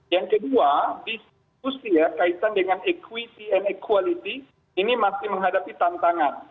yang kedua diskusi ya kaitan dengan equity and equality ini masih menghadapi tantangan